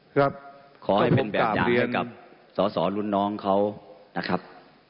ขอให้เป็นแบบอย่างให้กับสอสอรุ่นน้องเขานะครับ